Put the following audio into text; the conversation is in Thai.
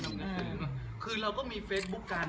แม้เดี๋ยวตั๊นที่เรารู้กัน